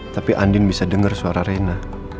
tapi andin bisa dengar suara rena